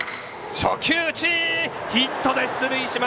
初球打ち、ヒットで出塁。